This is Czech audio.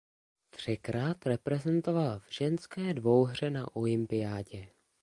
Třikrát reprezentovala v ženské dvouhře na olympiádě.